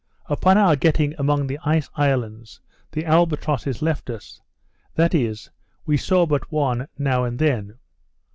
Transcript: Upon our getting among the ice islands, the albatrosses left us; that is, we saw but one now and then.